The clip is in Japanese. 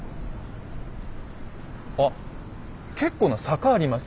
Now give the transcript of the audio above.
あ結構な坂あります？